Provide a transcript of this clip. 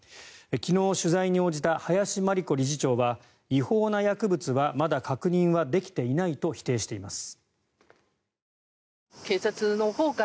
昨日、取材に応じた林真理子理事長は違法な薬物はまだ確認はできていないと否定しています。